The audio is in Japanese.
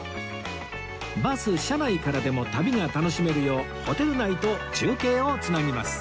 バス車内からでも旅が楽しめるようホテル内と中継を繋ぎます